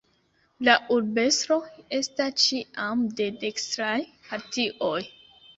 La urbestro esta ĉiam de dekstraj partioj.